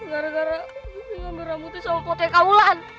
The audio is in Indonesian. gara gara jepri yang berambut sama potenya bang aulan